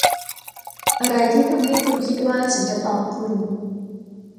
อะไรที่ทำให้คุณคิดว่าฉันจะตอบคุณ